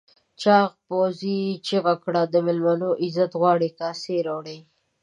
چاغ پوځي چیغه کړه مېلمانه عزت غواړي کاسې راوړئ.